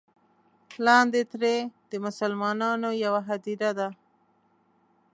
لاندې ترې د مسلمانانو یوه هدیره ده.